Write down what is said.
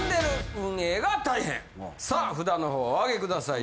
さあ札の方をお上げください。